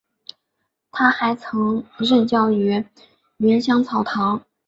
他还曾任教于芸香草堂。